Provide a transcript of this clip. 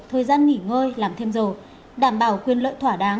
thời gian nghỉ ngơi làm thêm giờ đảm bảo quyền lợi thỏa đáng